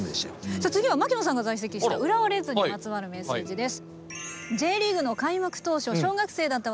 さあ次は槙野さんが在籍してた浦和レッズにまつわるメッセージです。